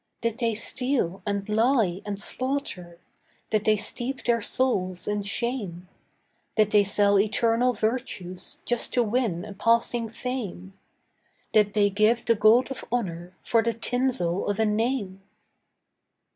Did they steal, and lie, and slaughter? Did they steep their souls in shame? Did they sell eternal virtues Just to win a passing fame? Did they give the gold of honour For the tinsel of a name?